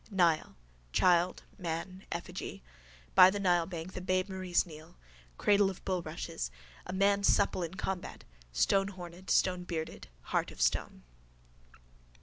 _ Nile. Child, man, effigy. By the Nilebank the babemaries kneel, cradle of bulrushes: a man supple in combat: stonehorned, stonebearded, heart of stone.